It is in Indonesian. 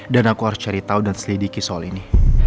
dan aku harus cari tahu dan selidiki soal ini